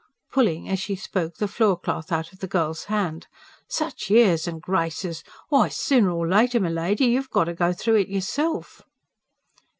pulling, as she spoke, the floorcloth out of the girl's hand. "Such airs and graces! Why, sooner or later, milady, you've got to go through it yourself."